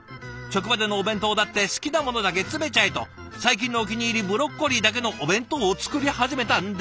職場でのお弁当だって好きなものだけ詰めちゃえと最近のお気に入りブロッコリーだけのお弁当を作り始めたんですって。